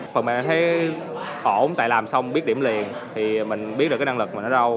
phần mẹ thấy ổn tại làm xong biết điểm liền thì mình biết được năng lực mình ở đâu